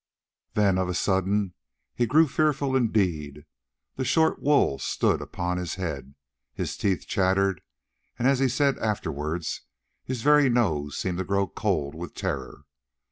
Then of a sudden he grew fearful indeed, the short wool stood up upon his head, his teeth chattered, and, as he said afterwards, his very nose seemed to grow cold with terror.